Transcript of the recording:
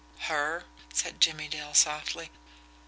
"Her?" said Jimmie Dale softly.